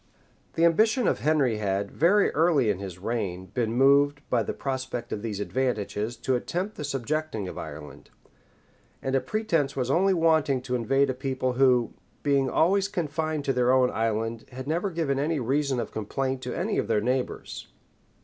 [* Hoveden, p. 527] The ambition of Henry had, very early in his reign, been moved, by the prospect of these advantages, to attempt the subjecting of Ireland; and a pretence was only wanting to invade a people who, being always confined to their own island, had never given any reason of complaint to any of their neighbors.